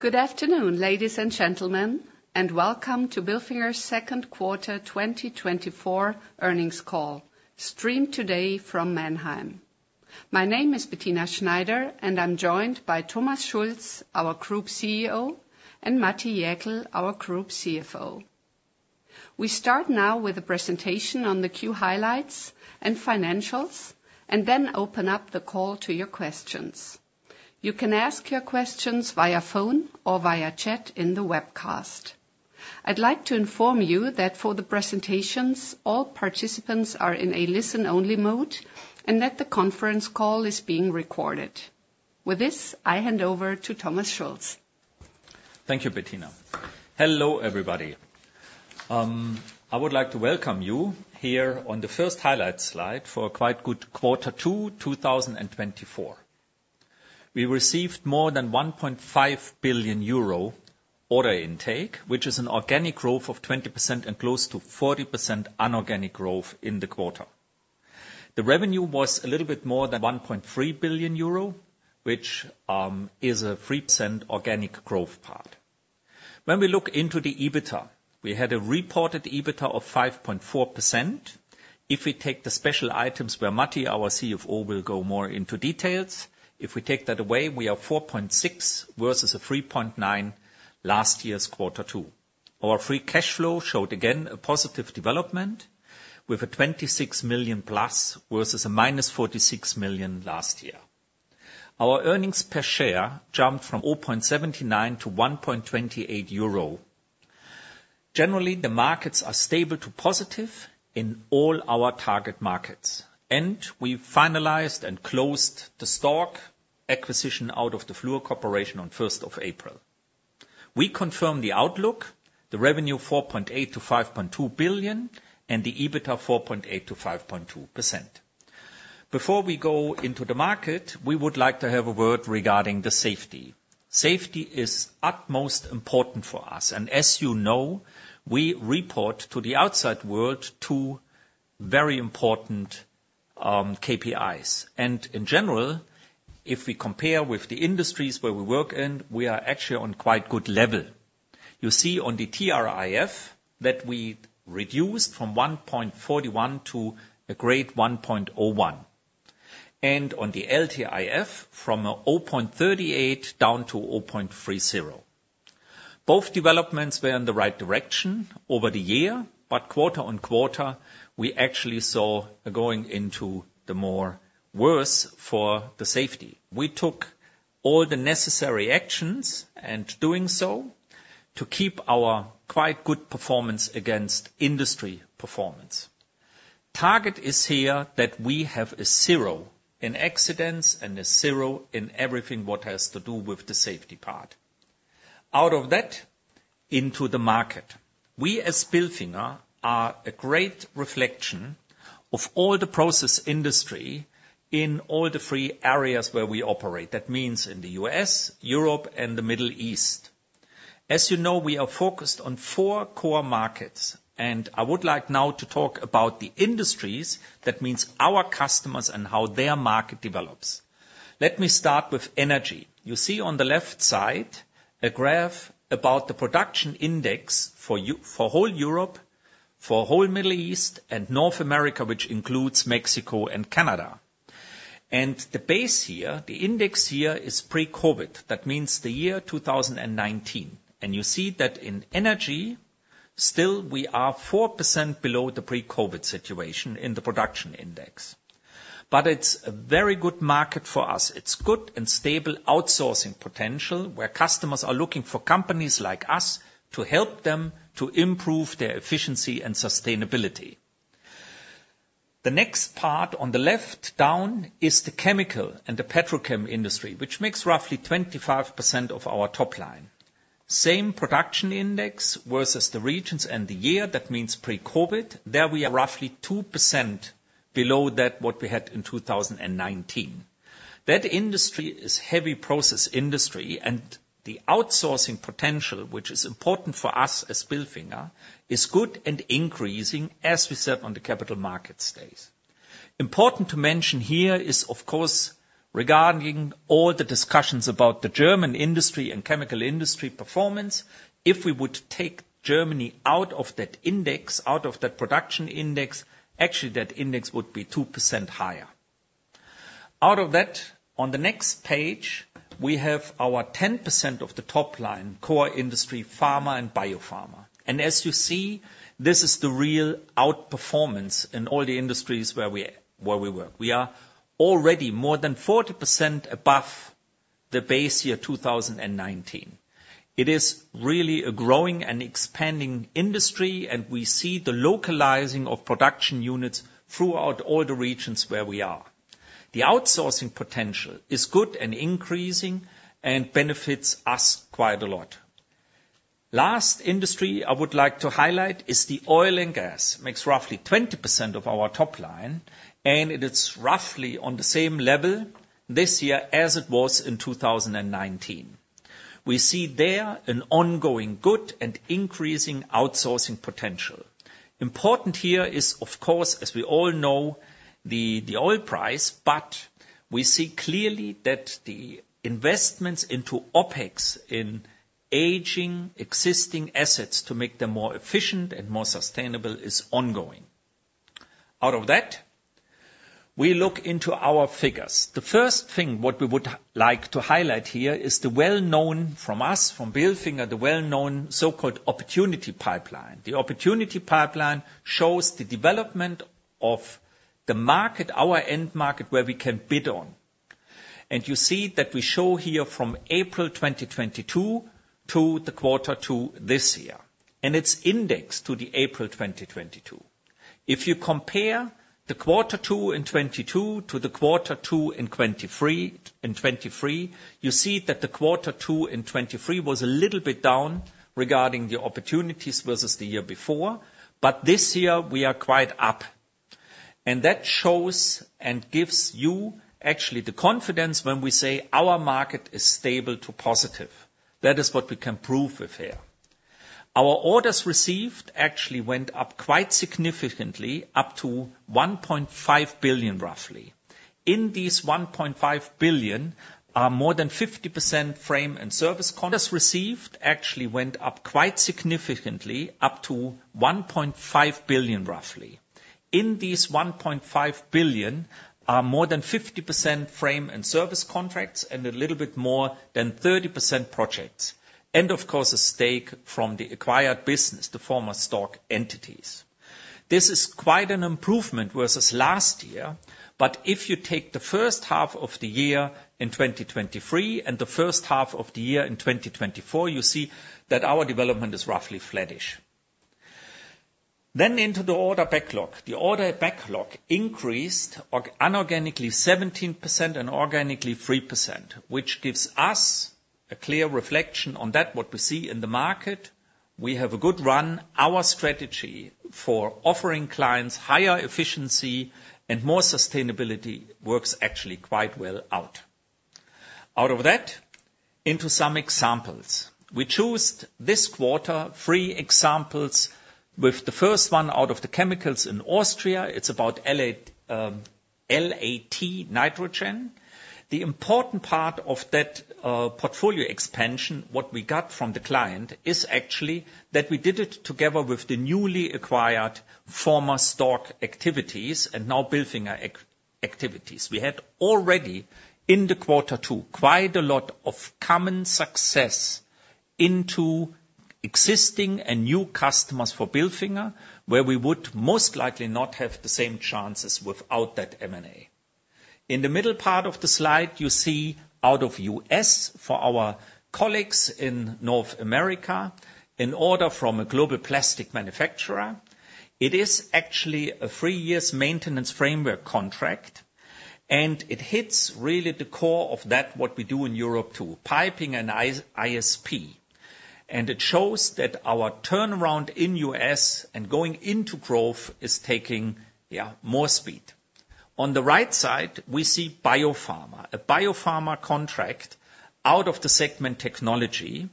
Good afternoon, ladies and gentlemen, and welcome to Bilfinger's second quarter 2024 earnings call, streamed today from Mannheim. My name is Bettina Schneider, and I'm joined by Thomas Schulz, our Group CEO, and Matti Jäkel, our Group CFO. We start now with a presentation on the Q highlights and financials, and then open up the call to your questions. You can ask your questions via phone or via chat in the webcast. I'd like to inform you that for the presentations, all participants are in a listen-only mode, and that the conference call is being recorded. With this, I hand over to Thomas Schulz. Thank you, Bettina. Hello, everybody. I would like to welcome you here on the first highlight slide for a quite good quarter 2, 2024. We received more than 1.5 billion euro order intake, which is an organic growth of 20% and close to 40% inorganic growth in the quarter. The revenue was a little bit more than 1.3 billion euro, which is a 3% organic growth part. When we look into the EBITDA, we had a reported EBITDA of 5.4%. If we take the special items where Matti, our CFO, will go more into details. If we take that away, we are 4.6% versus a 3.9% last year's quarter two. Our free cash flow showed again a positive development with a +26 million versus a -46 million last year. Our earnings per share jumped from 0.79 to 1.28. Generally, the markets are stable to positive in all our target markets, and we finalized and closed the Stork acquisition out of the Fluor Corporation on first of April. We confirm the outlook, the revenue, 4.8 billion-5.2 billion, and the EBITDA, 4.8%-5.2%. Before we go into the market, we would like to have a word regarding the safety. Safety is utmost important for us, and as you know, we report to the outside world two very important KPIs. In general, if we compare with the industries where we work in, we are actually on quite good level. You see on the TRIF that we reduced from 1.41 to a great 1.01, and on the LTIF, from 0.38 down to 0.30. Both developments were in the right direction over the year, but quarter-on-quarter, we actually saw going into the worse for the safety. We took all the necessary actions and doing so, to keep our quite good performance against industry performance. Target is here that we have a zero in accidents and a zero in everything what has to do with the safety part. Out of that, into the market. We, as Bilfinger, are a great reflection of all the process industry in all the three areas where we operate. That means in the U.S., Europe, and the Middle East. As you know, we are focused on four core markets, and I would like now to talk about the industries, that means our customers and how their market develops. Let me start with energy. You see on the left side a graph about the production index for the U.S., for whole Europe, for whole Middle East and North America, which includes Mexico and Canada. The base here, the index here, is pre-COVID. That means the year 2019. You see that in energy, still, we are 4% below the pre-COVID situation in the production index. But it's a very good market for us. It's good and stable outsourcing potential, where customers are looking for companies like us to help them to improve their efficiency and sustainability. The next part on the left down is the chemical and the petrochem industry, which makes roughly 25% of our top line. Same production index versus the regions and the year, that means pre-COVID. There we are roughly 2% below that, what we had in 2019. That industry is heavy process industry, and the outsourcing potential, which is important for us as Bilfinger, is good and increasing, as we said on the capital markets day. Important to mention here is, of course, regarding all the discussions about the German industry and chemical industry performance, if we would take Germany out of that index, out of that production index, actually, that index would be 2% higher. Out of that, on the next page, we have our 10% of the top line, core industry, pharma and biopharma. And as you see, this is the real outperformance in all the industries where we, where we work. We are already more than 40% above the base year, 2019. It is really a growing and expanding industry, and we see the localizing of production units throughout all the regions where we are. The outsourcing potential is good and increasing and benefits us quite a lot. Last industry I would like to highlight is the oil and gas. Makes roughly 20% of our top line, and it is roughly on the same level this year as it was in 2019. We see there an ongoing good and increasing outsourcing potential. Important here is, of course, as we all know, the, the oil price, but we see clearly that the investments into OpEx in-... Aging existing assets to make them more efficient and more sustainable is ongoing. Out of that, we look into our figures. The first thing what we would like to highlight here is the well-known, from us, from Bilfinger, the well-known so-called opportunity pipeline. The opportunity pipeline shows the development of the market, our end market, where we can bid on. And you see that we show here from April 2022 to the quarter two this year, and it's indexed to the April 2022. If you compare the quarter two in 2022 to the quarter two in 2023, in 2023, you see that the quarter two in 2023 was a little bit down regarding the opportunities versus the year before, but this year we are quite up. And that shows and gives you actually the confidence when we say our market is stable to positive. That is what we can prove with here. Our orders received actually went up quite significantly, up to 1.5 billion, roughly. In these 1.5 billion are more than 50% frame and service contracts, and a little bit more than 30% projects, and of course, a stake from the acquired business, the former Stork entities. This is quite an improvement versus last year, but if you take the first half of the year in 2023 and the first half of the year in 2024, you see that our development is roughly flattish. Then into the order backlog. The order backlog increased inorganically 17% and organically 3%, which gives us a clear reflection on that, what we see in the market. We have a good run. Our strategy for offering clients higher efficiency and more sustainability works actually quite well out. Out of that, into some examples. We chose this quarter, three examples, with the first one out of the chemicals in Austria. It's about LAT Nitrogen. The important part of that, portfolio expansion, what we got from the client, is actually that we did it together with the newly acquired former Stork activities and now Bilfinger activities. We had already, in the quarter two, quite a lot of common success into existing and new customers for Bilfinger, where we would most likely not have the same chances without that M&A. In the middle part of the slide, you see out of the U.S., for our colleagues in North America, an order from a global plastic manufacturer. It is actually a three-year maintenance framework contract, and it hits really the core of that, what we do in Europe, too, piping and ISP. And it shows that our turnaround in the U.S. and going into growth is taking, yeah, more speed. On the right side, we see biopharma. A biopharma contract out of the segment technology,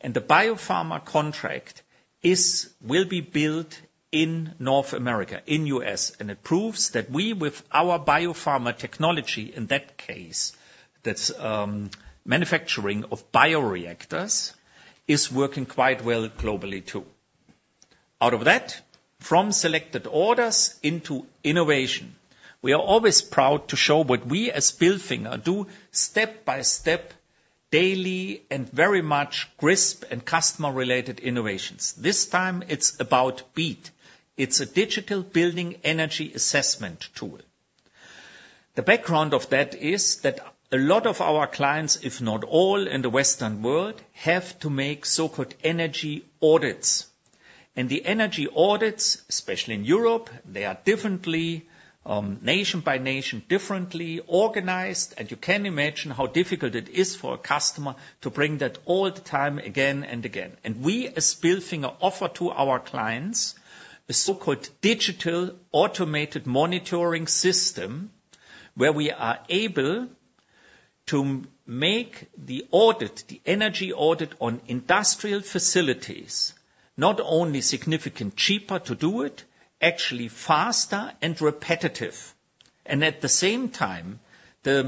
and the biopharma contract is--will be built in North America, in the U.S., and it proves that we, with our biopharma technology, in that case, that's manufacturing of bioreactors, is working quite well globally, too. Out of that, from selected orders into innovation. We are always proud to show what we as Bilfinger do step by step, daily and very much crisp and customer-related innovations. This time, it's about BEAT. It's a digital building energy assessment tool. The background of that is that a lot of our clients, if not all, in the Western world, have to make so-called energy audits. The energy audits, especially in Europe, they are differently, nation by nation, differently organized, and you can imagine how difficult it is for a customer to bring that all the time, again and again. We, as Bilfinger, offer to our clients a so-called digital automated monitoring system, where we are able to make the audit, the energy audit on industrial facilities, not only significant cheaper to do it, actually faster and repetitive. At the same time, the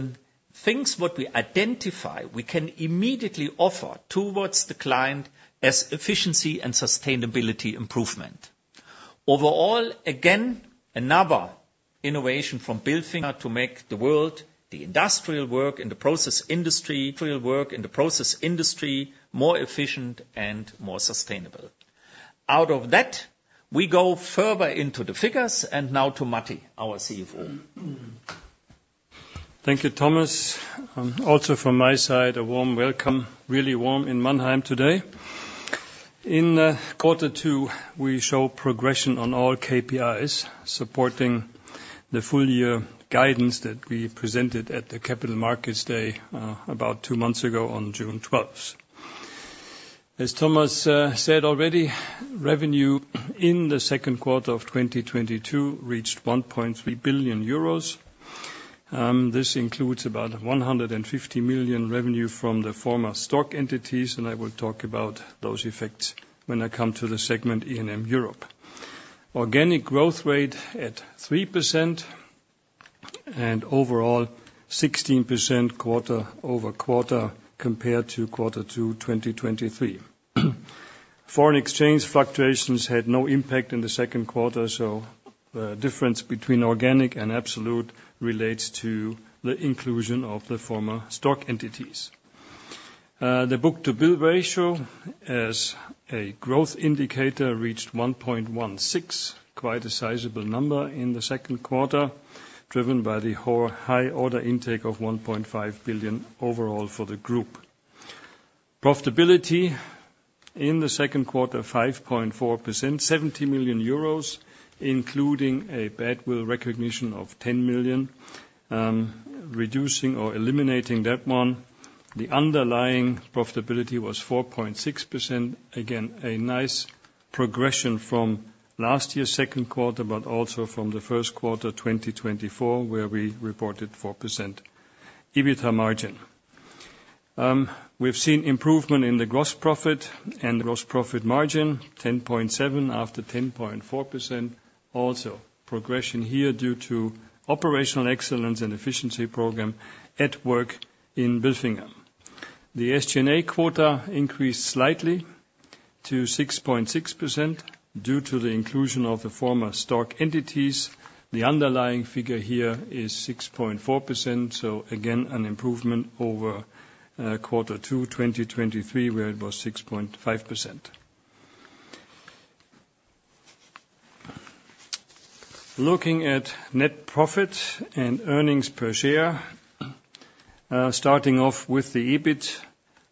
things what we identify, we can immediately offer towards the client as efficiency and sustainability improvement. Overall, again, another innovation from Bilfinger to make the world, the industrial work and the process industry, industrial work and the process industry, more efficient and more sustainable. Out of that, we go further into the figures, and now to Matti, our CFO. Thank you, Thomas. Also from my side, a warm welcome, really warm in Mannheim today. In quarter two, we show progression on all KPIs, supporting the full year guidance that we presented at the Capital Markets Day about two months ago on June twelfth. As Thomas said already, revenue in the second quarter of 2022 reached 1.3 billion euros. This includes about 150 million revenue from the former Stork entities, and I will talk about those effects when I come to the segment E&M Europe. Organic growth rate at 3% and overall 16% quarter-over-quarter compared to quarter two, 2023. Foreign exchange fluctuations had no impact in the second quarter, so the difference between organic and absolute relates to the inclusion of the former Stork entities. The book-to-bill ratio as a growth indicator reached 1.16, quite a sizable number in the second quarter, driven by the whole high order intake of 1.5 billion overall for the group. Profitability in the second quarter, 5.4%, 70 million euros, including a badwill recognition of 10 million, reducing or eliminating that one. The underlying profitability was 4.6%. Again, a nice progression from last year's second quarter, but also from the first quarter, 2024, where we reported 4% EBITA margin. We've seen improvement in the gross profit and gross profit margin, 10.7% after 10.4%. Also, progression here due to operational excellence and efficiency program at work in Bilfinger. The SG&A quota increased slightly to 6.6% due to the inclusion of the former Stork entities. The underlying figure here is 6.4%, so again, an improvement over quarter two, 2023, where it was 6.5%. Looking at net profit and earnings per share, starting off with the EBIT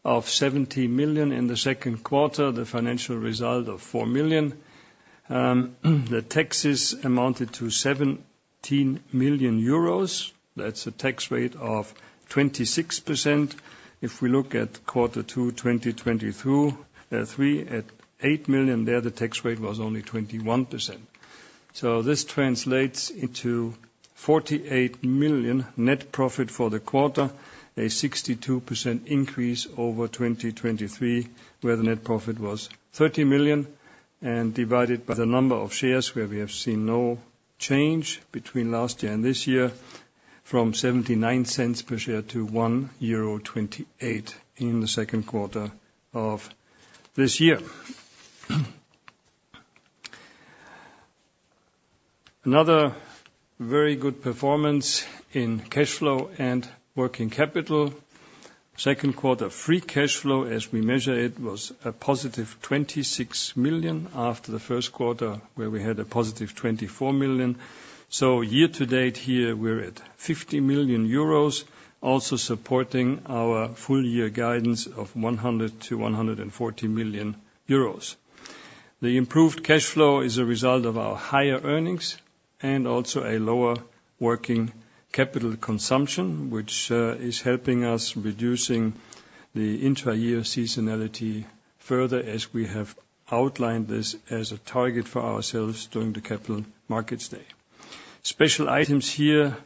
of 70 million in the second quarter, the financial result of 4 million. The taxes amounted to 17 million euros. That's a tax rate of 26%. If we look at quarter two, 2022, three, at 8 million, there, the tax rate was only 21%. So this translates into 48 million net profit for the quarter, a 62% increase over 2023, where the net profit was 30 million, and divided by the number of shares, where we have seen no change between last year and this year, from 0.79 per share to 1.28 euro in the second quarter of this year. Another very good performance in cash flow and working capital. Second quarter, free cash flow, as we measure it, was a positive 26 million after the first quarter, where we had a positive 24 million. So year to date here, we're at 50 million euros, also supporting our full year guidance of 100-140 million euros. The improved cash flow is a result of our higher earnings and also a lower working capital consumption, which is helping us reducing the intra-year seasonality further, as we have outlined this as a target for ourselves during the Capital Markets Day. Special items here,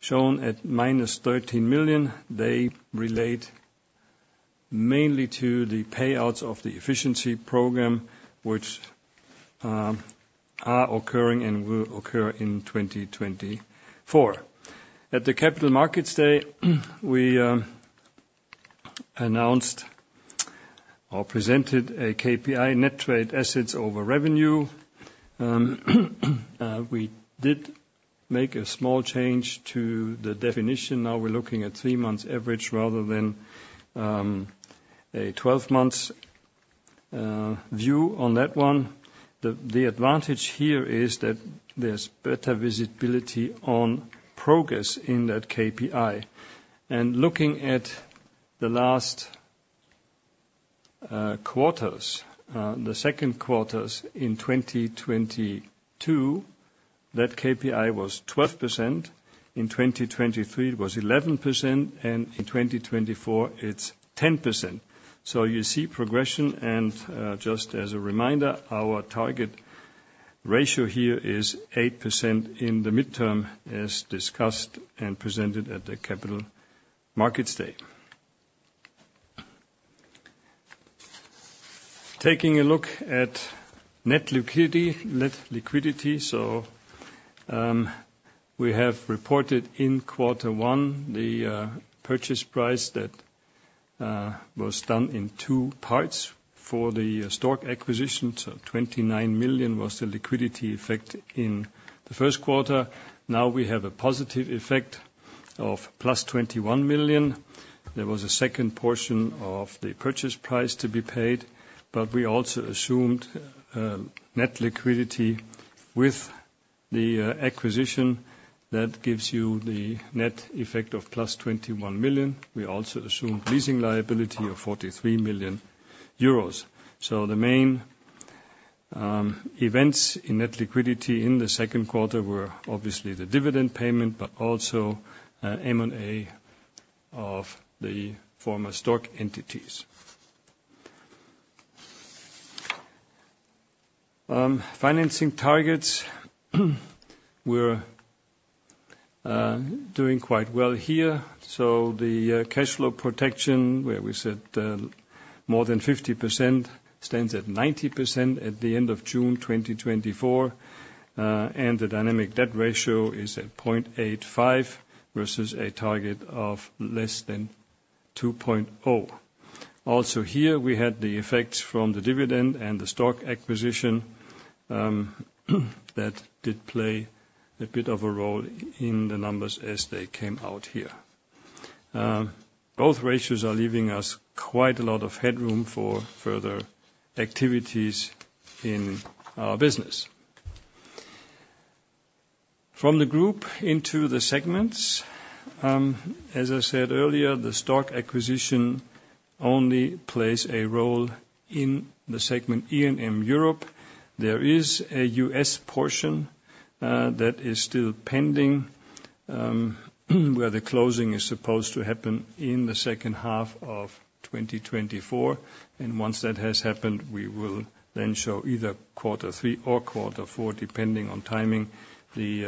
shown at -13 million, they relate mainly to the payouts of the efficiency program, which are occurring and will occur in 2024. At the Capital Markets Day, we announced or presented a KPI, net trade assets over revenue. We did make a small change to the definition. Now we're looking at three months average rather than a 12 months view on that one. The advantage here is that there's better visibility on progress in that KPI. Looking at the last quarters, the second quarters in 2022, that KPI was 12%. In 2023, it was 11%, and in 2024, it's 10%. So you see progression, and just as a reminder, our target ratio here is 8% in the midterm, as discussed and presented at the Capital Markets date. Taking a look at net liquidity, net liquidity. So, we have reported in quarter one, the purchase price that was done in two parts for the Stork acquisition, so 29 million was the liquidity effect in the first quarter. Now we have a positive effect of +21 million. There was a second portion of the purchase price to be paid, but we also assumed net liquidity with the acquisition that gives you the net effect of +21 million. We also assumed leasing liability of 43 million euros. So the main events in net liquidity in the second quarter were obviously the dividend payment, but also M&A of the former Stork entities. Financing targets, we're doing quite well here. So the cash flow protection, where we said more than 50%, stands at 90% at the end of June 2024, and the dynamic debt ratio is at 0.85, versus a target of less than 2.0. Also, here, we had the effects from the dividend and the Stork acquisition that did play a bit of a role in the numbers as they came out here. Both ratios are leaving us quite a lot of headroom for further activities in our business. From the group into the segments, as I said earlier, the Stork acquisition only plays a role in the segment E&M Europe. There is a U.S. portion that is still pending, where the closing is supposed to happen in the second half of 2024, and once that has happened, we will then show either quarter three or quarter four, depending on timing, the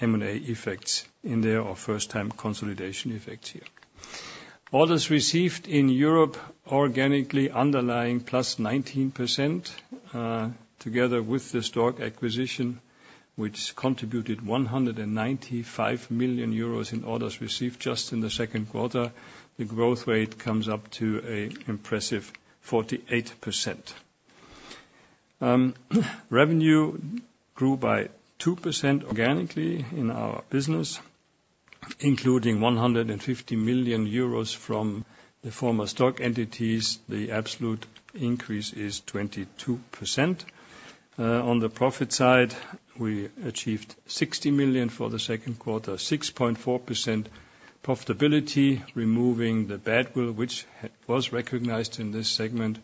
M&A effects in there, or first time consolidation effects here. Orders received in Europe, organically underlying +19%, together with the Stork acquisition, which contributed 195 million euros in orders received just in the second quarter. The growth rate comes up to an impressive 48%. Revenue grew by 2% organically in our business, including 150 million euros from the former Stork entities. The absolute increase is 22%. On the profit side, we achieved 60 million for the second quarter, 6.4% profitability. Removing the goodwill, which was recognized in this segment,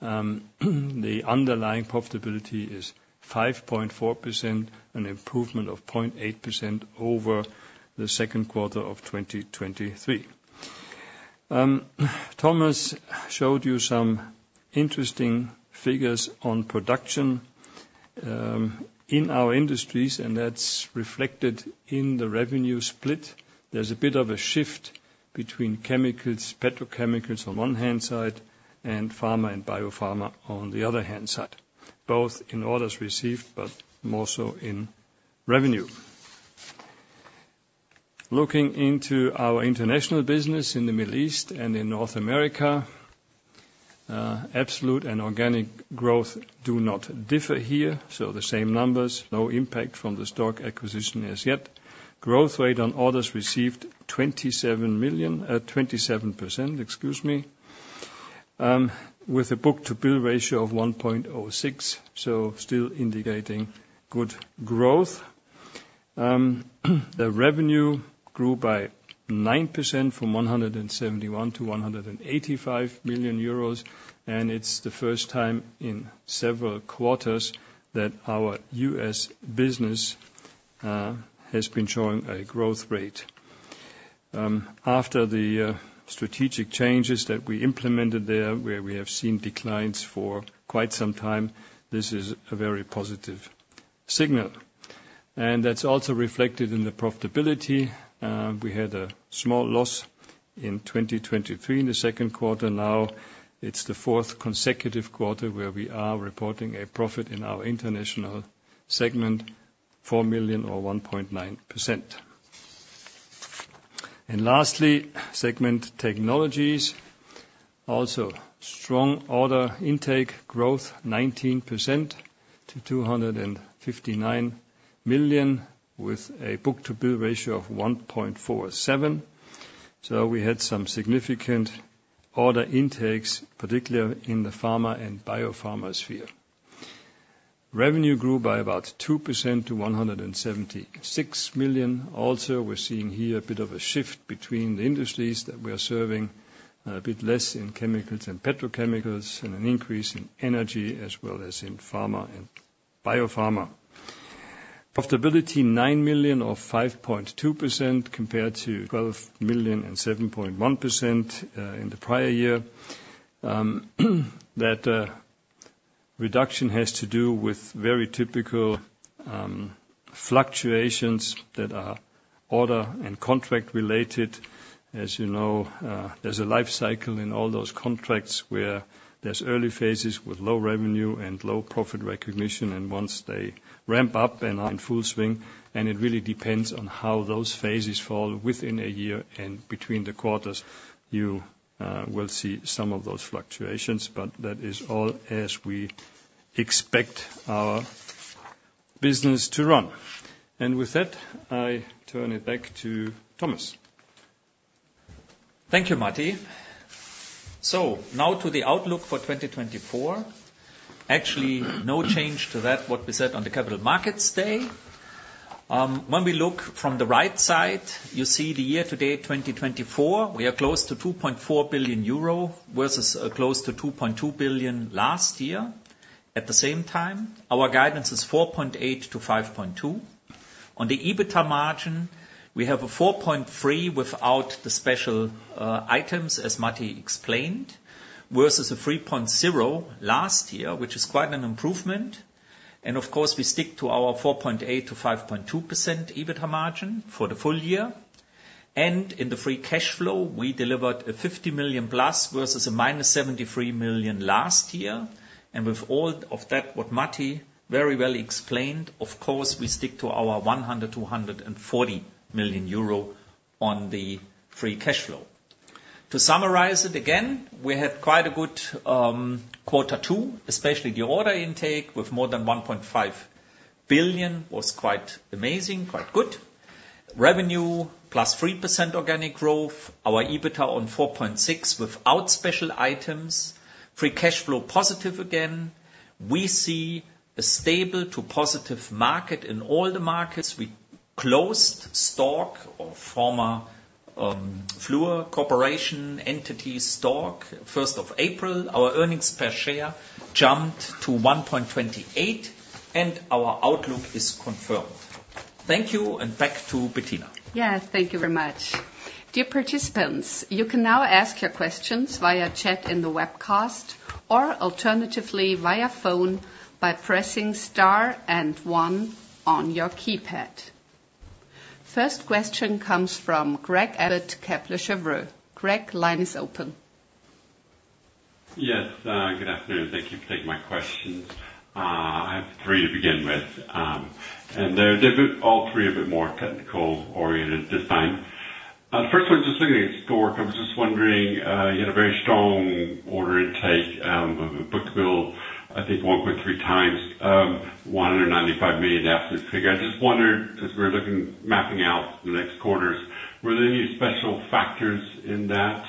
the underlying profitability is 5.4%, an improvement of 0.8% over the second quarter of 2023. Thomas showed you some interesting figures on production in our industries, and that's reflected in the revenue split. There's a bit of a shift between chemicals, petrochemicals on one hand side, and pharma and biopharma on the other hand side, both in orders received, but more so in revenue. Looking into our international business in the Middle East and in North America, absolute and organic growth do not differ here, so the same numbers, no impact from the Stork acquisition as yet. Growth rate on orders received 27 million, 27%, excuse me, with a book-to-bill ratio of 1.06, so still indicating good growth. The revenue grew by 9% from 171 million to 185 million euros, and it's the first time in several quarters that our U.S. business has been showing a growth rate. After the strategic changes that we implemented there, where we have seen declines for quite some time, this is a very positive signal. And that's also reflected in the profitability. We had a small loss in 2023 in the second quarter. Now, it's the fourth consecutive quarter where we are reporting a profit in our international segment, 4 million or 1.9%. And lastly, segment technologies, also strong order intake growth, 19% to 259 million, with a book-to-bill ratio of 1.47. So we had some significant order intakes, particularly in the pharma and biopharma sphere. Revenue grew by about 2% to 176 million. Also, we're seeing here a bit of a shift between the industries that we are serving, a bit less in chemicals and petrochemicals, and an increase in energy, as well as in pharma and biopharma. Profitability, 9 million or 5.2% compared to 12 million and 7.1% in the prior year. That reduction has to do with very typical fluctuations that are order and contract related. As you know, there's a life cycle in all those contracts, where there's early phases with low revenue and low profit recognition, and once they ramp up and are in full swing, and it really depends on how those phases fall within a year and between the quarters, you will see some of those fluctuations. But that is all as we expect our business to run. With that, I turn it back to Thomas. Thank you, Matti. So now to the outlook for 2024. Actually, no change to that, what we said on the capital markets day. When we look from the right side, you see the year to date, 2024, we are close to 2.4 billion euro, versus close to 2.2 billion last year. At the same time, our guidance is 4.8 to 5.2 billion. On the EBITA margin, we have a 4.3% without the special items, as Matti explained, versus a 3.0% last year, which is quite an improvement. And of course, we stick to our 4.8%-5.2% EBITA margin for the full year. And in the free cash flow, we delivered +50 million versus -73 million last year. With all of that, what Matti very well explained, of course, we stick to our 100 million-140 million euro on the free cash flow. To summarize it again, we had quite a good quarter two, especially the order intake, with more than 1.5 billion, was quite amazing, quite good. Revenue +3% organic growth. Our EBITDA on 4.6 without special items. Free cash flow positive again. We see a stable to positive market in all the markets. We closed Stork, or former, Fluor Corporation entity Stork, first of April. Our earnings per share jumped to 1.28, and our outlook is confirmed. Thank you, and back to Bettina. Yes, thank you very much. Dear participants, you can now ask your questions via chat in the webcast, or alternatively, via phone by pressing star and one on your keypad. First question comes from Craig Abbott, Kepler Cheuvreux. Craig, line is open. Yes, good afternoon. Thank you for taking my questions. I have three to begin with, and they're, they're all three a bit more technical-oriented this time. The first one, just looking at Stork, I was just wondering, you had a very strong order intake, book-to-bill, I think 1.3 times, 195 million after the figure. I just wondered, as we're looking, mapping out the next quarters, were there any special factors in that?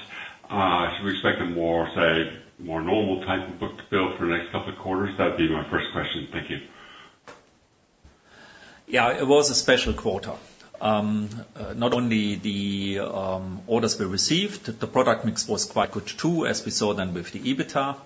Should we expect a more, say, more normal type of book-to-bill for the next couple of quarters? That'd be my first question. Thank you. Yeah, it was a special quarter. Not only the orders we received, the product mix was quite good, too, as we saw then with the EBITDA.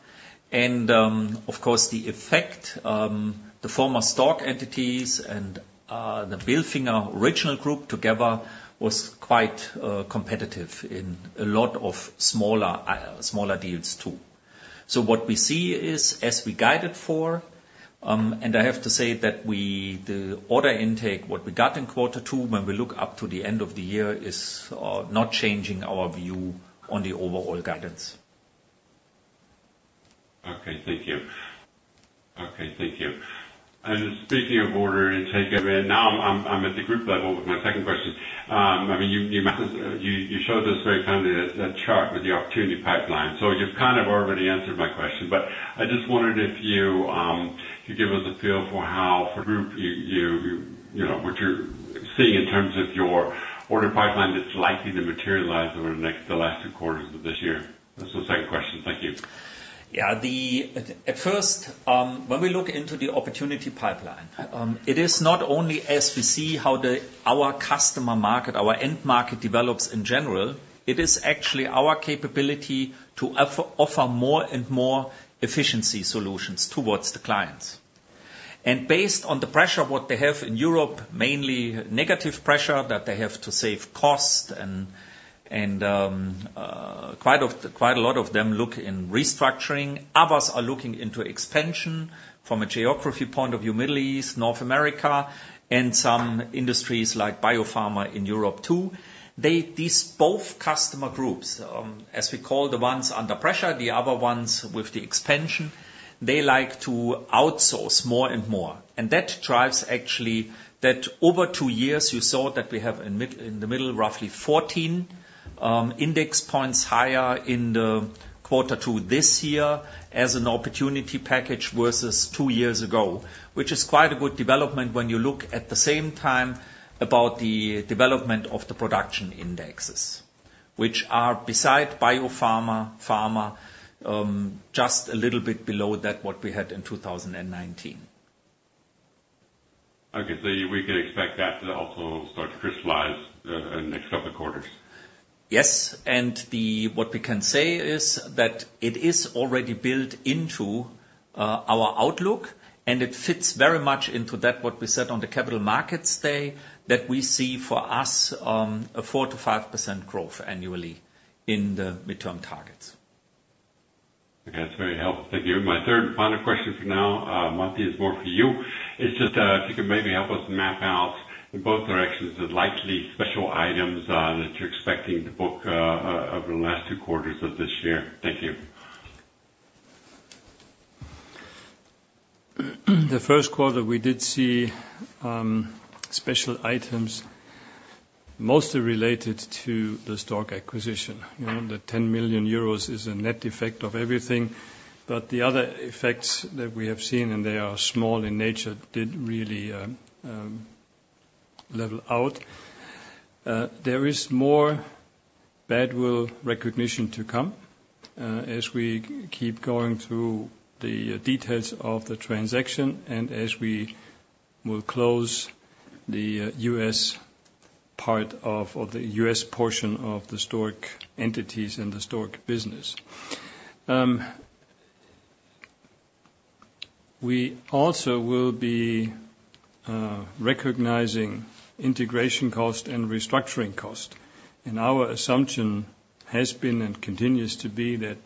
And, of course, the effect, the former Stork entities and, the Bilfinger original group together was quite, competitive in a lot of smaller, smaller deals, too. So what we see is, as we guided for, and I have to say that we-- the order intake, what we got in quarter two, when we look up to the end of the year, is, not changing our view on the overall guidance. Okay, thank you. Okay, thank you. And speaking of order intake, and now I'm at the group level with my second question. I mean, you showed us very kindly a chart with the opportunity pipeline, so you've kind of already answered my question. But I just wondered if you could give us a feel for how, for group, you know, what you're seeing in terms of your order pipeline that's likely to materialize over the next, the last two quarters of this year. That's the second question. Thank you. Yeah, at first, when we look into the opportunity pipeline, it is not only as we see how the, our customer market, our end market, develops in general, it is actually our capability to offer more and more efficiency solutions towards the clients. And based on the pressure, what they have in Europe, mainly negative pressure, that they have to save cost and, quite a lot of them look in restructuring. Others are looking into expansion from a geography point of view, Middle East, North America, and some industries like biopharma in Europe, too. These both customer groups, as we call the ones under pressure, the other ones with the expansion, they like to outsource more and more, and that drives actually that over two years, you saw that we have in mid, in the middle, roughly 14, index points higher in the quarter to this year as an opportunity package versus two years ago, which is quite a good development when you look at the same time about the development of the production indexes, which are beside biopharma, pharma, just a little bit below that, what we had in 2019. Okay, so we can expect that to also start to crystallize in the next couple quarters? Yes, and what we can say is that it is already built into our outlook, and it fits very much into that, what we said on the capital markets day, that we see for us a 4%-5% growth annually in the midterm targets. Okay, that's very helpful. Thank you. My third and final question for now, Matti, is more for you. It's just, if you could maybe help us map out in both directions, the likely special items, that you're expecting to book, over the last two quarters of this year. Thank you. The first quarter, we did see special items mostly related to the Stork acquisition. You know, the 10 million euros is a net effect of everything, but the other effects that we have seen, and they are small in nature, did really level out. There is more goodwill recognition to come as we keep going through the details of the transaction and as we will close the U.S. part of, or the U.S. portion of, the Stork entities and the Stork business. We also will be recognizing integration cost and restructuring cost, and our assumption has been and continues to be that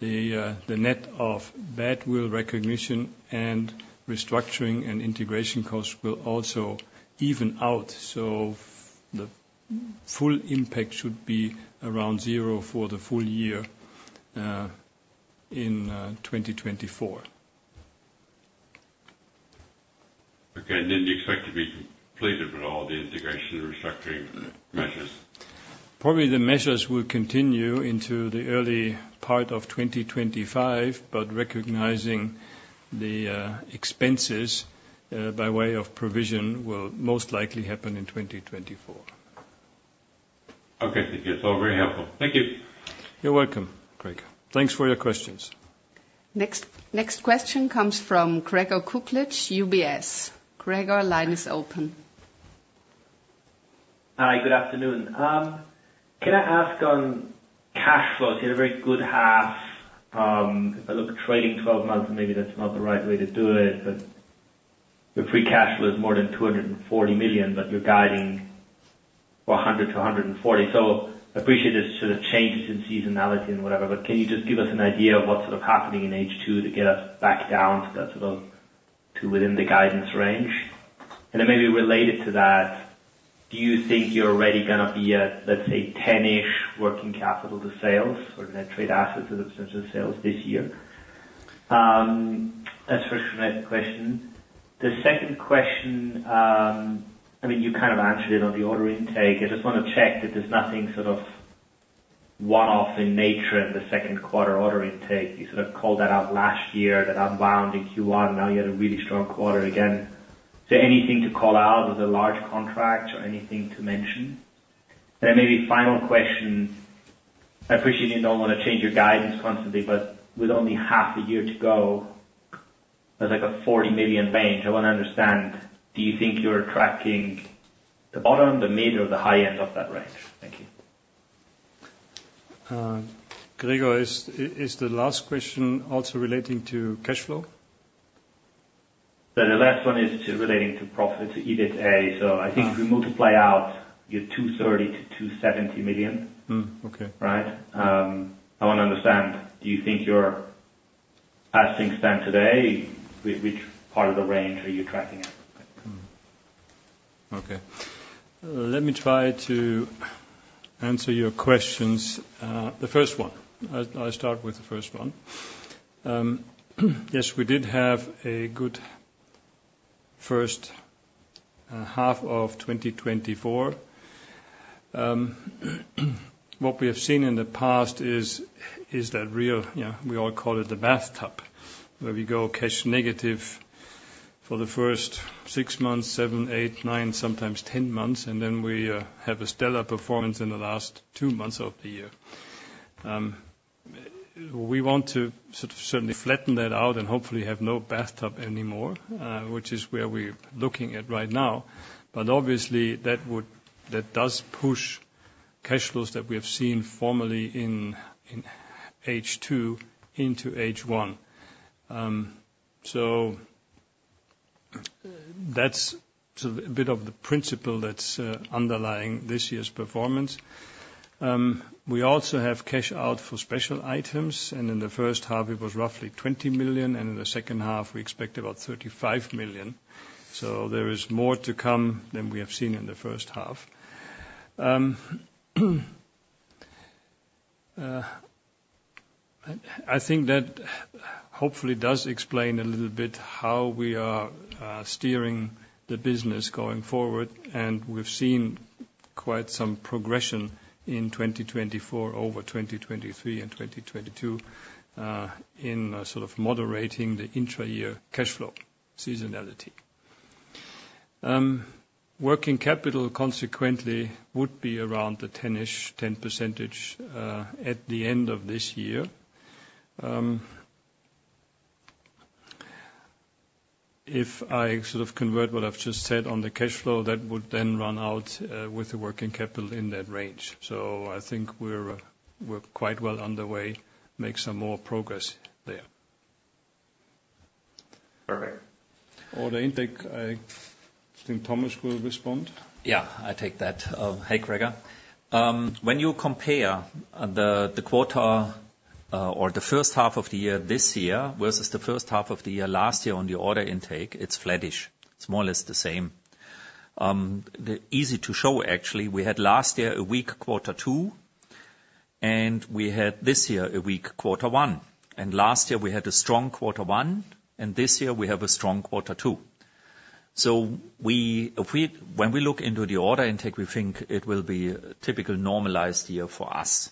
the net of bad will recognition and restructuring and integration costs will also even out. So the full impact should be around zero for the full year in 2024. Okay, and then you expect to be completed with all the integration and restructuring measures? Probably the measures will continue into the early part of 2025, but recognizing the expenses by way of provision will most likely happen in 2024. Okay, thank you. It's all very helpful. Thank you. You're welcome, Craig. Thanks for your questions. Next, next question comes from Gregor Kuglitsch, UBS. Gregor, line is open. Hi, good afternoon. Can I ask on cash flows, you had a very good half. If I look at trading twelve months, maybe that's not the right way to do it, but your free cash flow is more than 240 million, but you're guiding for 100 million-140 million. So I appreciate this sort of changes in seasonality and whatever, but can you just give us an idea of what's sort of happening in H2 to get us back down to that sort of, to within the guidance range? And then maybe related to that, do you think you're already gonna be at, let's say, 10-ish working capital to sales or net trade assets of the sales this year? That's first question. The second question, I mean, you kind of answered it on the order intake. I just want to check that there's nothing sort of one-off in nature in the second quarter order intake. You sort of called that out last year, that rebound in Q1, now you had a really strong quarter again. Is there anything to call out as a large contract or anything to mention? Then maybe final question, I appreciate you don't want to change your guidance constantly, but with only half a year to go, there's like a 40 million range. I want to understand, do you think you're tracking the bottom, the mid, or the high end of that range? Thank you. Gregor, is the last question also relating to cash flow? The last one is relating to profits, EBITDA. So I think- Ah. if we multiply out your 230 million-270 million. Mm, okay. Right? I want to understand, do you think you're, as things stand today, which part of the range are you tracking at? Okay. Let me try to answer your questions. The first one, I'll start with the first one. Yes, we did have a good first half of 2024. What we have seen in the past is, is that, yeah, we all call it the bathtub, where we go cash negative for the first six months, seven, eight, nine, sometimes 10 months, and then we have a stellar performance in the last two months of the year. We want to sort of certainly flatten that out and hopefully have no bathtub anymore, which is where we're looking at right now. But obviously, that would, that does push cash flows that we have seen formerly in H2 into H1. So that's sort of a bit of the principle that's underlying this year's performance. We also have cash out for special items, and in the first half, it was roughly 20 million, and in the second half, we expect about 35 million. So there is more to come than we have seen in the first half. I think that hopefully does explain a little bit how we are steering the business going forward, and we've seen quite some progression in 2024 over 2023 and 2022, in sort of moderating the intra-year cash flow seasonality. Working capital, consequently, would be around the 10%-ish, 10%, at the end of this year. If I sort of convert what I've just said on the cash flow, that would then run out, with the working capital in that range. So I think we're quite well underway, make some more progress there. Perfect. Order intake, I think Thomas will respond. Yeah, I take that. Hi, Gregor. When you compare the quarter or the first half of the year this year versus the first half of the year last year on the order intake, it's flattish. It's more or less the same. It's easy to show, actually, we had last year a weak quarter two, and we had this year a weak quarter one. Last year, we had a strong quarter one, and this year we have a strong quarter two. So, when we look into the order intake, we think it will be a typical normalized year for us.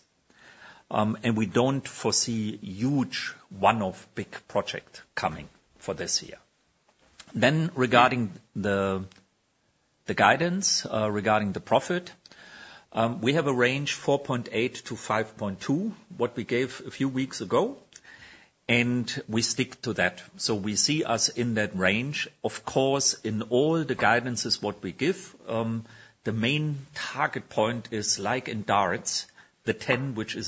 And we don't foresee huge one-off big project coming for this year. Then regarding the guidance, regarding the profit, we have a range, 4.8-5.2, what we gave a few weeks ago, and we stick to that. So we see us in that range. Of course, in all the guidances what we give, the main target point is like in darts, the ten, which is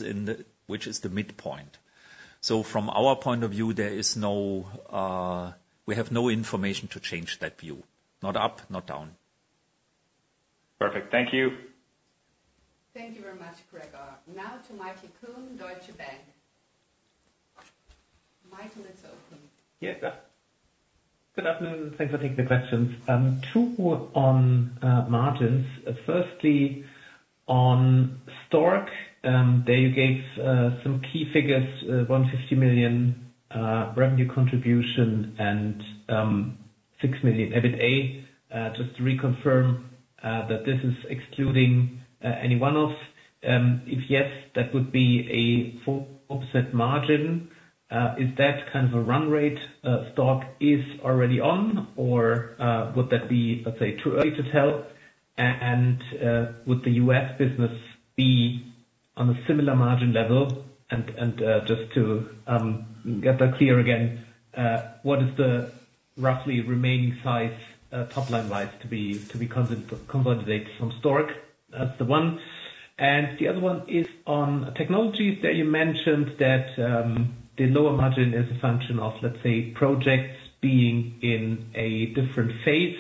the midpoint. So from our point of view, there is no, we have no information to change that view. Not up, not down.... Perfect. Thank you. Thank you very much, Gregor. Now to Michael Kuhn, Deutsche Bank. Michael, it's open. Yes, good afternoon, and thanks for taking the questions. Two on margins. Firstly, on Stork, there you gave some key figures, 150 million revenue contribution and 6 million EBITA. Just to reconfirm, that this is excluding any one-off? If yes, that would be a full offset margin. Is that kind of a run rate Stork is already on, or would that be, let's say, too early to tell? And would the U.S. business be on a similar margin level? And just to get that clear again, what is the roughly remaining size, top line-wise, to be consolidated from Stork? That's the one. And the other one is on technologies, that you mentioned that, the lower margin is a function of, let's say, projects being in a different phase.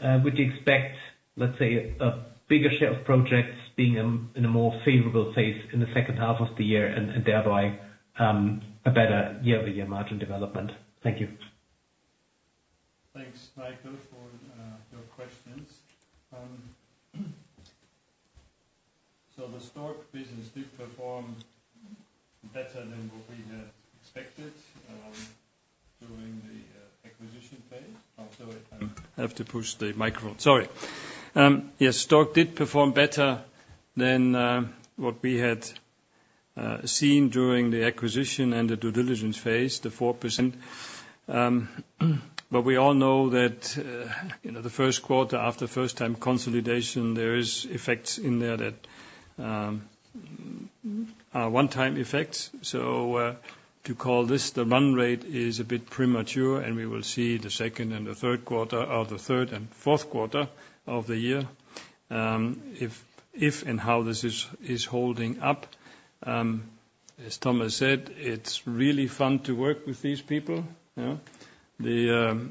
Would you expect, let's say, a bigger share of projects being in a more favorable phase in the second half of the year, and thereby, a better year-over-year margin development? Thank you. Thanks, Michael, for your questions. So the Stork business did perform better than what we had expected during the acquisition phase. Also, I have to push the microphone. Sorry. Yes, Stork did perform better than what we had seen during the acquisition and the due diligence phase, the 4%. But we all know that you know, the first quarter after first time consolidation, there is effects in there that are one-time effects. So to call this the run rate is a bit premature, and we will see the second and the third quarter, or the third and fourth quarter of the year, if and how this is holding up. As Thomas said, it's really fun to work with these people, you know?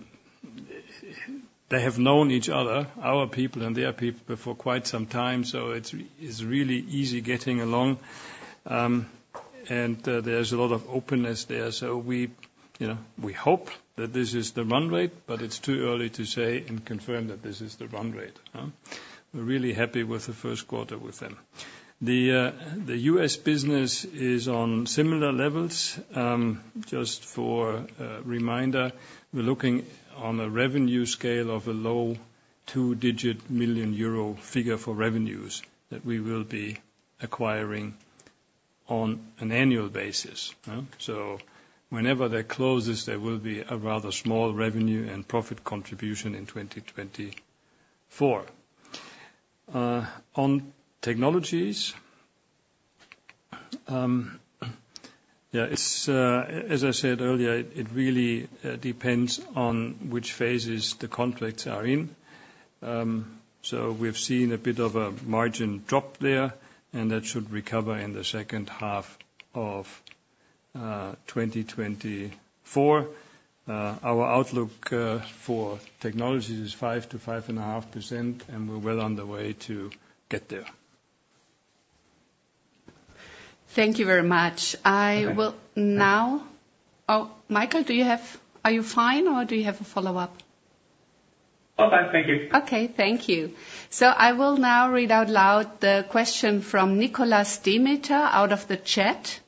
They have known each other, our people and their people, for quite some time, so it's really easy getting along. And there's a lot of openness there, so we, you know, we hope that this is the run rate, but it's too early to say and confirm that this is the run rate, huh? We're really happy with the first quarter with them. The U.S. business is on similar levels. Just for reminder, we're looking on a revenue scale of a low two-digit million Euro figure for revenues that we will be acquiring on an annual basis, huh? So whenever that closes, there will be a rather small revenue and profit contribution in 2024. On technologies, yeah, it's, as I said earlier, it really depends on which phases the contracts are in. So we've seen a bit of a margin drop there, and that should recover in the second half of 2024. Our outlook for technologies is 5%-5.5%, and we're well on the way to get there. Thank you very much. I will now... Oh, Michael, do you have-- Are you fine, or do you have a follow-up? All done. Thank you. Okay, thank you. So I will now read out loud the question from Nicholas Demeter out of the chat: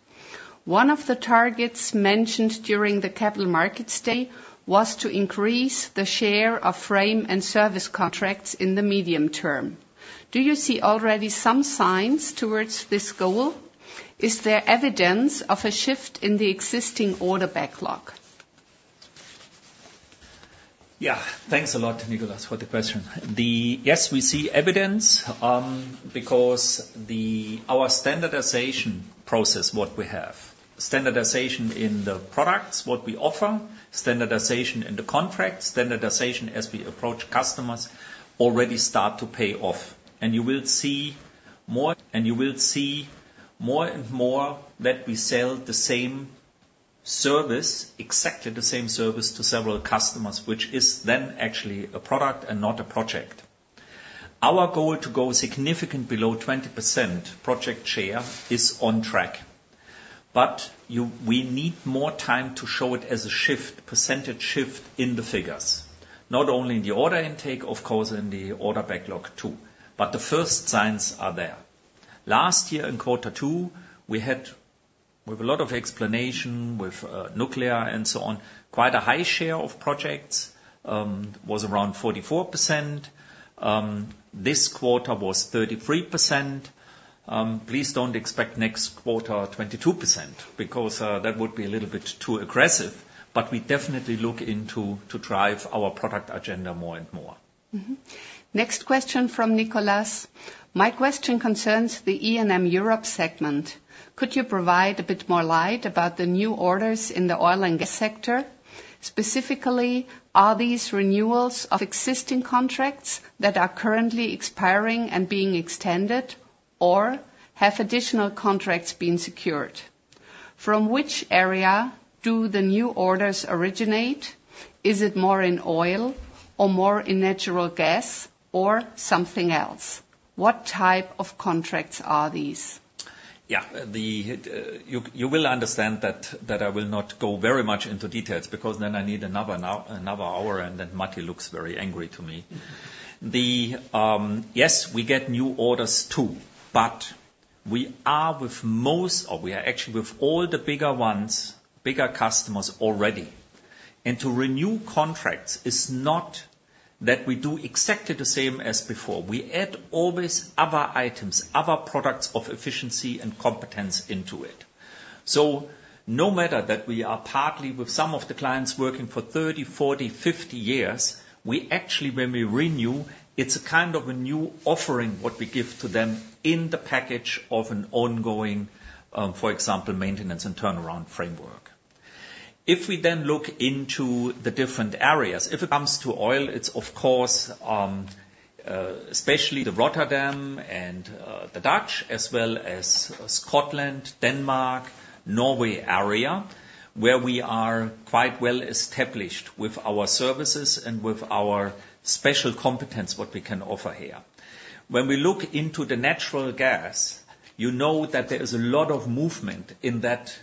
One of the targets mentioned during the Capital Markets Day, was to increase the share of frame and service contracts in the medium term. Do you see already some signs towards this goal? Is there evidence of a shift in the existing order backlog? Yeah. Thanks a lot, Nicholas, for the question. Yes, we see evidence because our standardization process, what we have, standardization in the products what we offer, standardization in the contract, standardization as we approach customers, already start to pay off. And you will see more, and you will see more and more that we sell the same service, exactly the same service, to several customers, which is then actually a product and not a project. Our goal to go significant below 20% project share is on track, but we need more time to show it as a shift, percentage shift in the figures, not only in the order intake, of course, in the order backlog, too. But the first signs are there. Last year, in quarter two, we had, with a lot of explanation, with, nuclear and so on, quite a high share of projects, was around 44%. This quarter was 33%. Please don't expect next quarter 22%, because, that would be a little bit too aggressive, but we definitely look into to drive our product agenda more and more. Mm-hmm. Next question from Nicholas Demeter: My question concerns the E&M Europe segment. Could you shed a bit more light about the new orders in the oil and gas sector? Specifically, are these renewals of existing contracts that are currently expiring and being extended? Or have additional contracts been secured? From which area do the new orders originate? Is it more in oil, or more in natural gas, or something else? What type of contracts are these? Yeah, you will understand that I will not go very much into details, because then I need another hour, another hour, and then Matti looks very angry to me. Yes, we get new orders too, but we are with most, or we are actually with all the bigger ones, bigger customers already. And to renew contracts is not that we do exactly the same as before. We add always other items, other products of efficiency and competence into it. So no matter that we are partly with some of the clients working for 30, 40, 50 years, we actually, when we renew, it's a kind of a new offering, what we give to them in the package of an ongoing, for example, maintenance and turnaround framework. If we then look into the different areas, if it comes to oil, it's of course, especially the Rotterdam and the Dutch, as well as Scotland, Denmark, Norway area, where we are quite well established with our services and with our special competence, what we can offer here. When we look into the natural gas, you know that there is a lot of movement in that,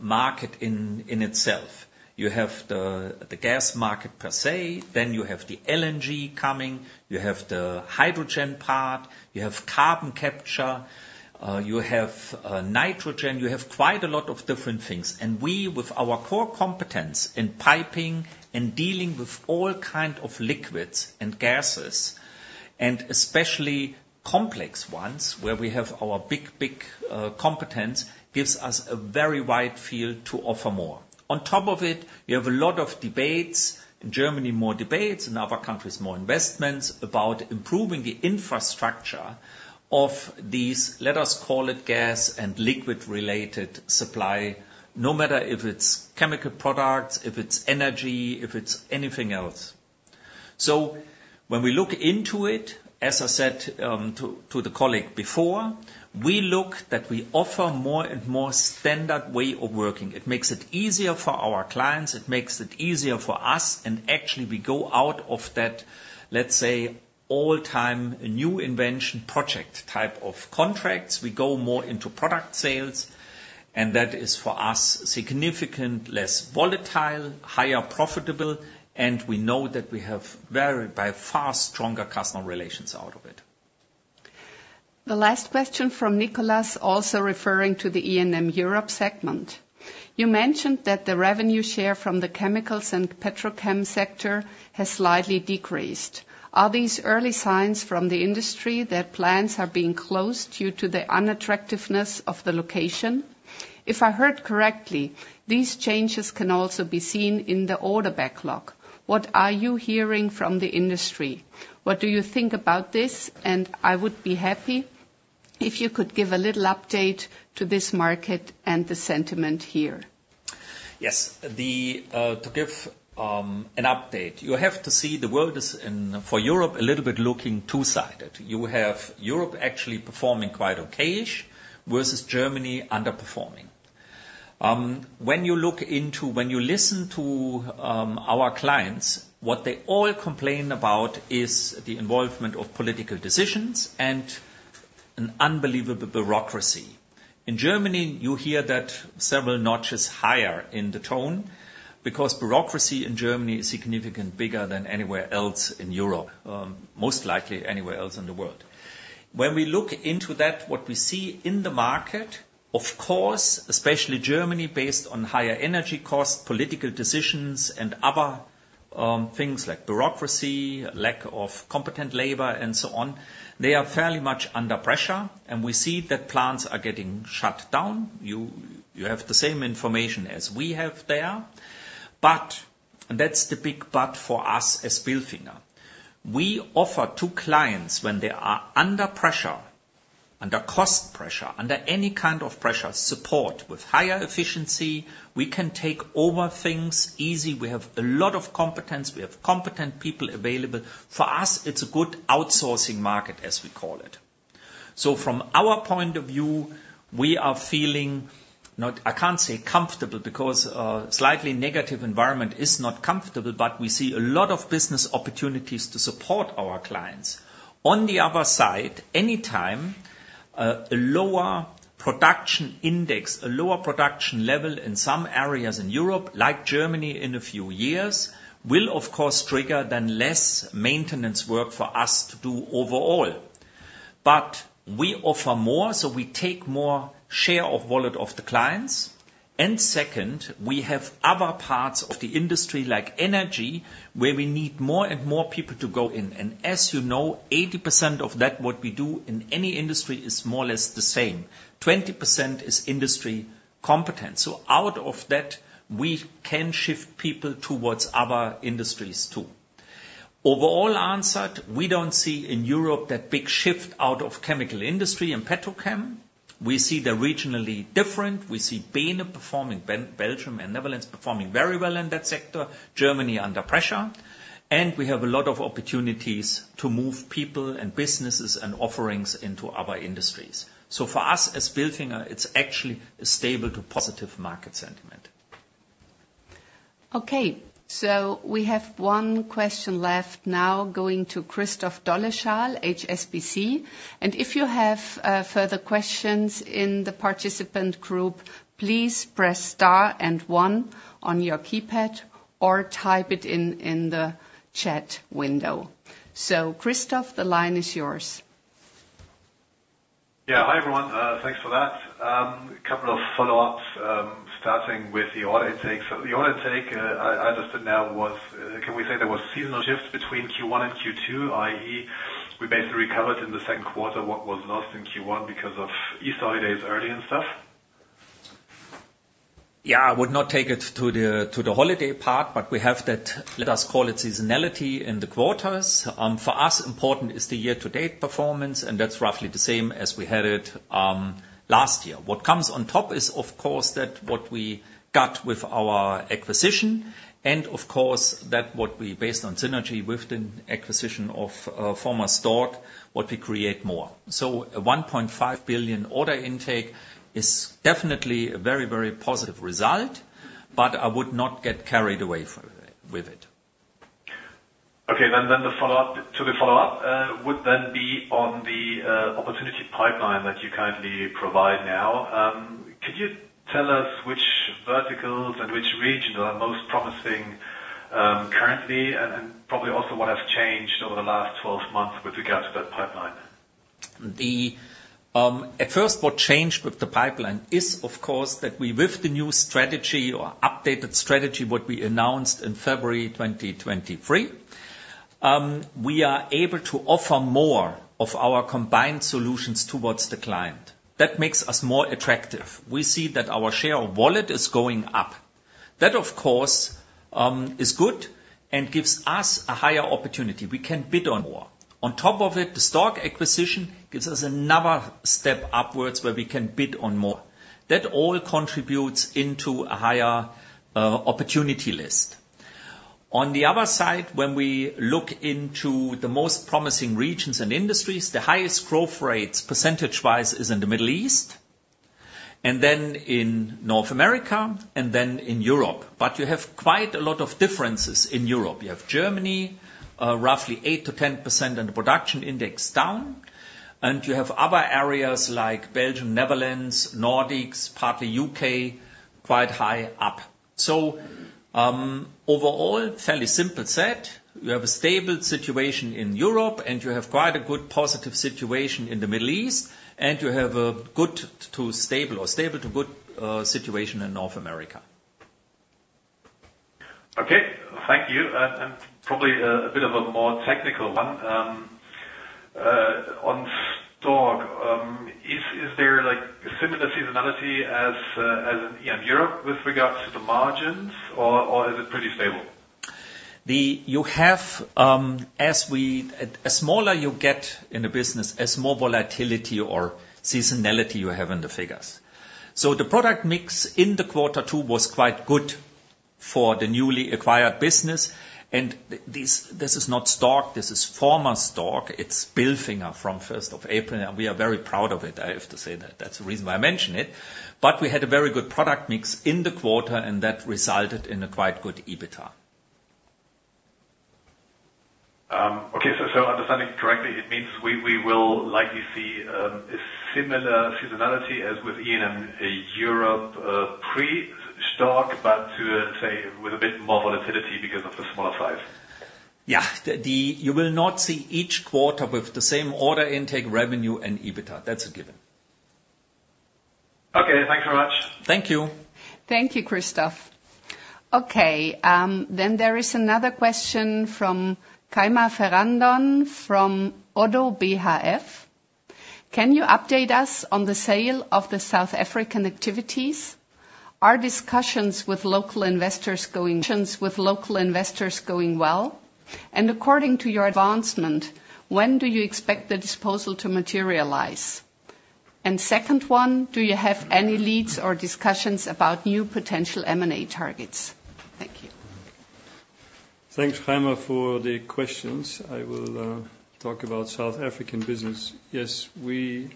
market in itself. You have the gas market per se, then you have the LNG coming, you have the hydrogen part, you have carbon capture, you have nitrogen, you have quite a lot of different things. And we, with our core competence in piping and dealing with all kind of liquids and gases, and especially complex ones, where we have our big, big, competence, gives us a very wide field to offer more. On top of it, we have a lot of debates, in Germany more debates, in other countries more investments, about improving the infrastructure of these, let us call it gas and liquid-related supply, no matter if it's chemical products, if it's energy, if it's anything else. So when we look into it, as I said, to the colleague before, we look that we offer more and more standard way of working. It makes it easier for our clients, it makes it easier for us, and actually, we go out of that, let's say, all-time new invention project type of contracts. We go more into product sales, and that is, for us, significant, less volatile, higher profitable, and we know that we have very, by far, stronger customer relations out of it. The last question from Nicholas, also referring to the E&M Europe segment: You mentioned that the revenue share from the chemicals and petrochem sector has slightly decreased. Are these early signs from the industry that plants are being closed due to the unattractiveness of the location? If I heard correctly, these changes can also be seen in the order backlog. What are you hearing from the industry? What do you think about this? And I would be happy if you could give a little update to this market and the sentiment here. Yes. To give an update, you have to see the world is in, for Europe, a little bit looking two-sided. You have Europe actually performing quite okay-ish, versus Germany underperforming. When you listen to our clients, what they all complain about is the involvement of political decisions and an unbelievable bureaucracy. In Germany, you hear that several notches higher in the tone, because bureaucracy in Germany is significant bigger than anywhere else in Europe, most likely anywhere else in the world. When we look into that, what we see in the market, of course, especially Germany, based on higher energy costs, political decisions, and other things like bureaucracy, lack of competent labor, and so on, they are fairly much under pressure, and we see that plants are getting shut down. You have the same information as we have there. But that's the big but for us as Bilfinger, we offer to clients when they are under pressure, under cost pressure, under any kind of pressure, support. With higher efficiency, we can take over things easy. We have a lot of competence. We have competent people available. For us, it's a good outsourcing market, as we call it. So from our point of view, we are feeling not, I can't say comfortable, because a slightly negative environment is not comfortable, but we see a lot of business opportunities to support our clients. On the other side, anytime a lower production index, a lower production level in some areas in Europe, like Germany in a few years, will, of course, trigger then less maintenance work for us to do overall. But we offer more, so we take more share of wallet of the clients. And second, we have other parts of the industry, like energy, where we need more and more people to go in. And as you know, 80% of that, what we do in any industry is more or less the same. 20% is industry competence. So out of that, we can shift people towards other industries, too. Overall answered, we don't see in Europe that big shift out of chemical industry and petrochem.... We see they're regionally different. We see BeNe performing, Belgium and Netherlands performing very well in that sector, Germany under pressure. And we have a lot of opportunities to move people and businesses and offerings into other industries. So for us, as Bilfinger, it's actually a stable to positive market sentiment. Okay, so we have one question left now, going to Christoph Dolleschal, HSBC. If you have further questions in the participant group, please press star and one on your keypad or type it in the chat window. So, Christoph, the line is yours. Yeah. Hi, everyone. Thanks for that. A couple of follow-ups, starting with the order intake. So the order intake, I understood now was—can we say there was seasonal shifts between Q1 and Q2, i.e., we basically recovered in the second quarter what was lost in Q1 because of Easter holidays early and stuff? Yeah, I would not take it to the, to the holiday part, but we have that, let us call it seasonality in the quarters. For us, important is the year-to-date performance, and that's roughly the same as we had it last year. What comes on top is, of course, that what we got with our acquisition, and of course, that what we based on synergy with the acquisition of former Stork, what we create more. So a 1.5 billion order intake is definitely a very, very positive result, but I would not get carried away from it, with it. Okay. Then, the follow-up to the follow-up would then be on the opportunity pipeline that you currently provide now. Could you tell us which verticals and which regions are most promising currently, and probably also what has changed over the last 12 months with regards to that pipeline? At first, what changed with the pipeline is, of course, that we, with the new strategy or updated strategy, what we announced in February 2023, we are able to offer more of our combined solutions towards the client. That makes us more attractive. We see that our share of wallet is going up. That, of course, is good and gives us a higher opportunity. We can bid on more. On top of it, the Stork acquisition gives us another step upwards where we can bid on more. That all contributes into a higher opportunity list. On the other side, when we look into the most promising regions and industries, the highest growth rates, percentage-wise, is in the Middle East, and then in North America, and then in Europe. But you have quite a lot of differences in Europe. You have Germany, roughly 8%-10% in the production index down, and you have other areas like Belgium, Netherlands, Nordics, partly U.K., quite high up. So, overall, fairly simple said, you have a stable situation in Europe, and you have quite a good positive situation in the Middle East, and you have a good to stable or stable to good, situation in North America. Okay, thank you. Probably a bit of a more technical one. On Stork, is there, like, a similar seasonality as in E&I Europe with regards to the margins, or is it pretty stable? You have, the smaller you get in a business, the more volatility or seasonality you have in the figures. So the product mix in the quarter two was quite good for the newly acquired business. And this, this is not Stork, this is former Stork. It's Bilfinger from first of April, and we are very proud of it. I have to say that. That's the reason why I mention it. But we had a very good product mix in the quarter, and that resulted in a quite good EBITDA. Okay. So understanding correctly, it means we will likely see a similar seasonality as with E&M, Europe, pre-Stork, but to say, with a bit more volatility because of the smaller size? Yeah. You will not see each quarter with the same order intake, revenue, and EBITDA. That's a given. Okay. Thanks very much. Thank you. Thank you, Christoph. Okay, then there is another question from Kayan Ferrandon, from ODDO BHF: Can you update us on the sale of the South African activities? Are discussions with local investors going well? And according to your advancement, when do you expect the disposal to materialize? And second one, do you have any leads or discussions about new potential M&A targets? Thank you. Thanks, Kayan, for the questions. I will talk about South African business. Yes, we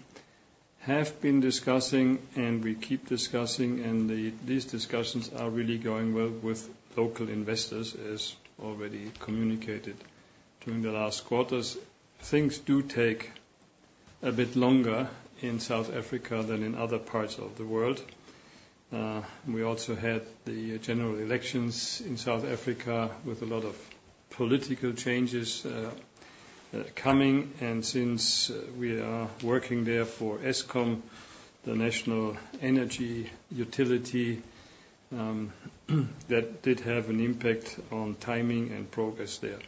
have been discussing, and we keep discussing, these discussions are really going well with local investors, as already communicated during the last quarters. Things do take a bit longer in South Africa than in other parts of the world. We also had the general elections in South Africa with a lot of political changes coming. And since we are working there for Eskom, the national energy utility, that did have an impact on timing and progress there.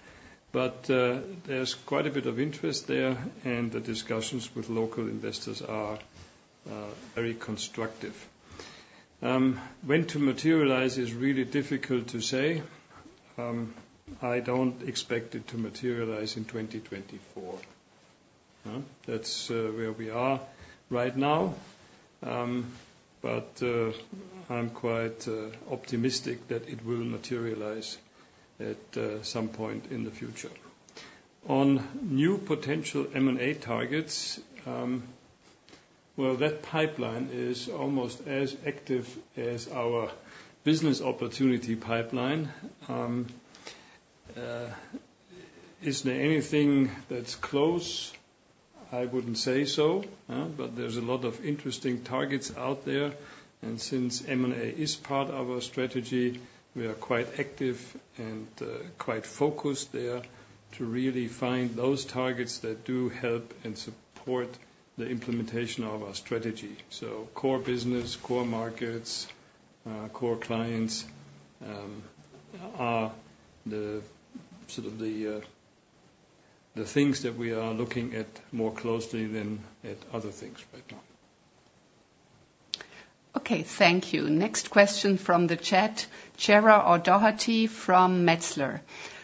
But there's quite a bit of interest there, and the discussions with local investors are very constructive when to materialize is really difficult to say. I don't expect it to materialize in 2024, huh? That's where we are right now. But, I'm quite optimistic that it will materialize at some point in the future. On new potential M&A targets, well, that pipeline is almost as active as our business opportunity pipeline. Is there anything that's close? I wouldn't say so, huh, but there's a lot of interesting targets out there, and since M&A is part of our strategy, we are quite active and quite focused there to really find those targets that do help and support the implementation of our strategy. Core business, core markets, core clients, are the sort of the, the things that we are looking at more closely than at other things right now. Okay, thank you. Next question from the chat, Gerard O'Doherty from Metzler.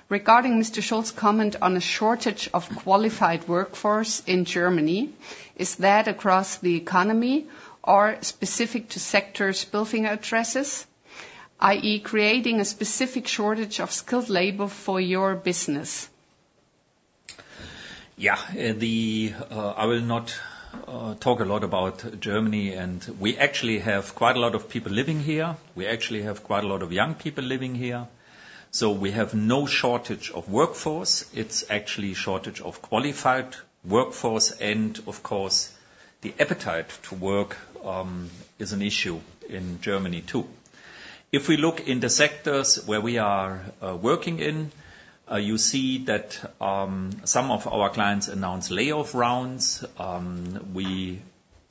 Regarding Mr. Schulz's comment on a shortage of qualified workforce in Germany, is that across the economy or specific to sectors Bilfinger addresses, i.e., creating a specific shortage of skilled labor for your business? Yeah. I will not talk a lot about Germany, and we actually have quite a lot of people living here. We actually have quite a lot of young people living here, so we have no shortage of workforce. It's actually shortage of qualified workforce, and of course, the appetite to work is an issue in Germany, too. If we look in the sectors where we are working in, you see that some of our clients announce layoff rounds. We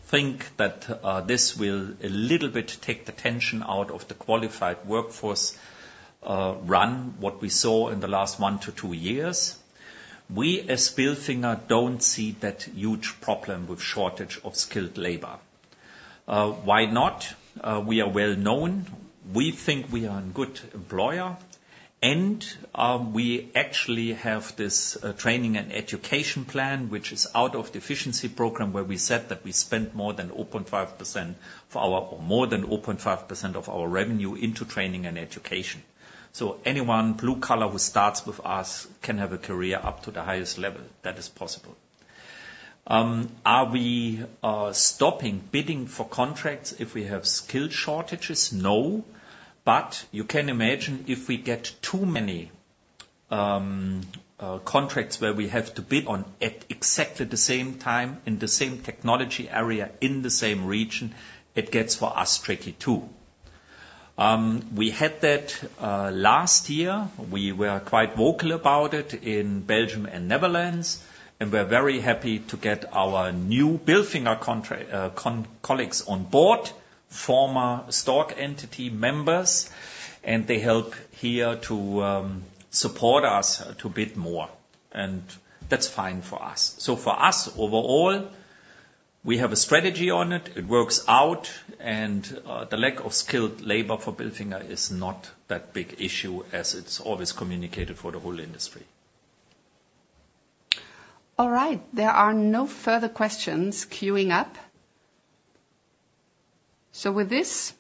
think that this will a little bit take the tension out of the qualified workforce from what we saw in the last one-two years. We, as Bilfinger, don't see that huge problem with shortage of skilled labor. Why not? We are well known. We think we are a good employer, and we actually have this training and education plan, which is out of the efficiency program, where we said that we spent more than over 5% of our revenue into training and education. So anyone, blue collar, who starts with us, can have a career up to the highest level. That is possible. Are we stopping bidding for contracts if we have skill shortages? No, but you can imagine if we get too many contracts where we have to bid on at exactly the same time, in the same technology area, in the same region, it gets for us tricky, too. We had that last year. We were quite vocal about it in Belgium and Netherlands, and we're very happy to get our new Bilfinger colleagues on board, former Stork entity members, and they help here to support us to bid more, and that's fine for us. So for us, overall, we have a strategy on it. It works out, and the lack of skilled labor for Bilfinger is not that big issue as it's always communicated for the whole industry. All right. There are no further questions queuing up. So with this,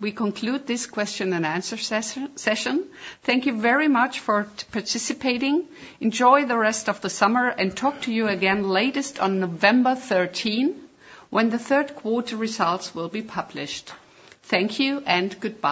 we conclude this question and answer session. Thank you very much for participating. Enjoy the rest of the summer and talk to you again, latest on November 13, when the third quarter results will be published. Thank you and goodbye.